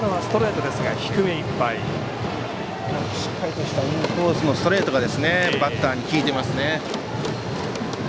しっかりとしたインコースのストレートがバッターに効いてますね。